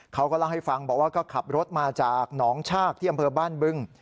เขาก็เล่าให้ฟังบอกว่าก็ขับรถมาจากหนองชากที่อำเภอบ้านบึง